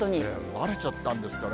慣れちゃったんですかね。